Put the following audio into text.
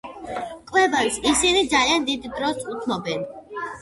კვებას ისინი ძალიან დიდ დროს უთმობენ.